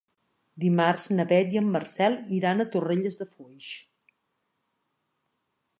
Dimarts na Beth i en Marcel iran a Torrelles de Foix.